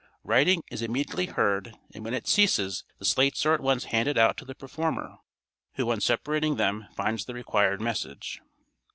Writing is immediately heard, and when it ceases the slates are at once handed out to the performer, who on separating them finds the required message.